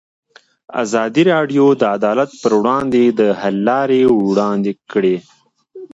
ازادي راډیو د عدالت پر وړاندې د حل لارې وړاندې کړي.